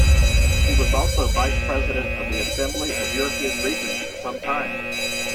He was also Vice President of the Assembly of European Regions for some time.